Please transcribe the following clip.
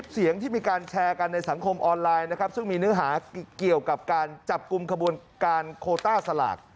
ซึ่งมีเนื้อหาเกี่ยวกับการจับกลุ่มขบวนการโคต้าสลาก